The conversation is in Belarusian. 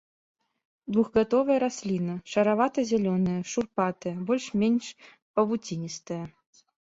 Двухгадовая расліна, шаравата-зялёная, шурпатая, больш-менш павуціністая.